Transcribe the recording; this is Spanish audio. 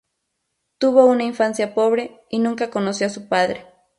Tuvo una infancia pobre, y nunca conoció a su padre.